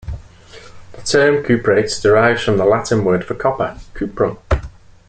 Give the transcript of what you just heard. The term cuprates derives from the Latin word for copper, "cuprum".